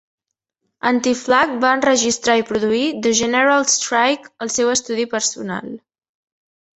Anti-Flag va enregistrar i produir The General Strike al seu estudi personal.